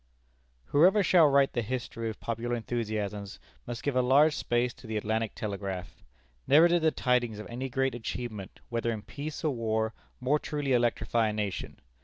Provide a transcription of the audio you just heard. Whoever shall write the history of popular enthusiasms, must give a large space to the Atlantic Telegraph. Never did the tidings of any great achievement whether in peace or war more truly electrify a nation.